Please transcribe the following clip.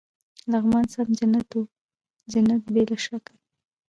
لغمان سم جنت و، جنت بې له شکه.